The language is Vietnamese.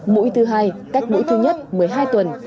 mũi thứ hai cách mũi thứ nhất một mươi hai tuần